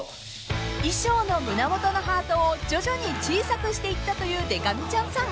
［衣装の胸元のハートを徐々に小さくしていったというでか美ちゃんさん］